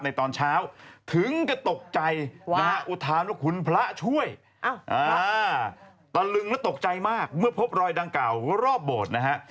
ตอนเช้าถึงก็ตกใจนะฮะอุทานว่าคุณพระช่วยตะลึงและตกใจมากเมื่อพบรอยดังกล่าวรอบโบสถ์นะฮะ